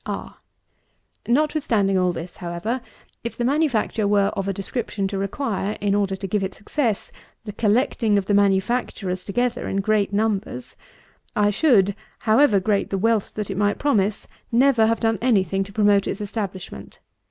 R. Notwithstanding all this, however, if the manufacture were of a description to require, in order to give it success, the collecting of the manufacturers together in great numbers, I should, however great the wealth that it might promise, never have done any thing to promote its establishment.